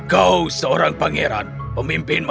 kau seorang pangeran pemimpin masa depan